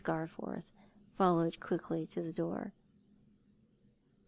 Garforth followed quickly to the door.